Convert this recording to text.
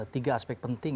tiga aspek penting